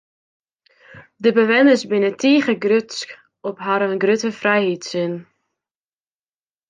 De bewenners binne tige grutsk op harren grutte frijheidssin.